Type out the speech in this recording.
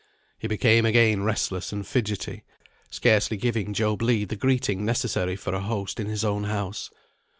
He became again restless and fidgetty, scarcely giving Job Legh the greeting necessary for a host in his own house.